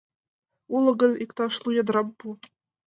— Уло гын, иктаж лу ядрам пу.